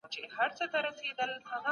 پاړسوبه وي چاودلی